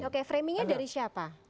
oke framingnya dari siapa